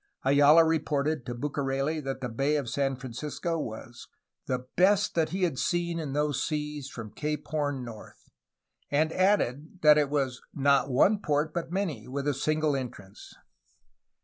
Ayala reported to Bucareli that the Bay of San Francisco was "the best he had seen in those seas from Cape Horn north/' and added that it was ''not one port, but many, with a single en trance.''